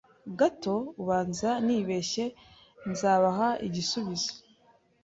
gato ubanza nibeshye nzabaha igisubizo